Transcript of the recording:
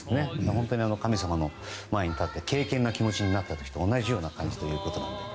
本当に神様の前に立って敬虔な気持ちになった時と同じような感じということで。